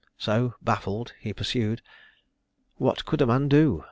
So baffled (he pursued), what could a man do?